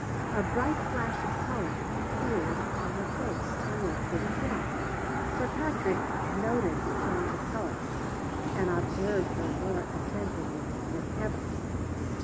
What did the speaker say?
A bright flash of color appeared on her face and left it again. Sir Patrick noted the change of color and observed her more attentively than ever.